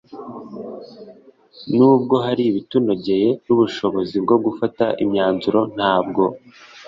N’ubwo hari ibitunogeye n’ubushobozi bwo gufata imyanzuro ntabwo